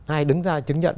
ai đứng ra chứng nhận